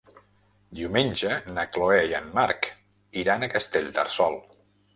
Diumenge na Chloé i en Marc iran a Castellterçol.